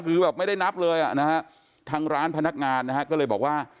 คือแบบไม่ได้นับเลยอ่ะนะฮะทางร้านพนักงานนะฮะก็เลยบอกว่า